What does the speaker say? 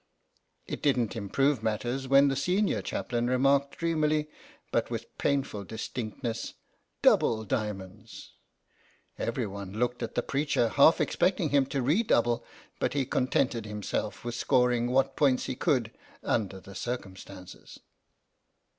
' It didn't im prove matters when the senior chaplain remarked dreamily but with painful distinct ness, ' Double diamonds/ Every one looked 4 REGINALD IN RUSSIA at the preacher, half expecting him to redouble, but he contented himself with scoring what points he could under the circumstances."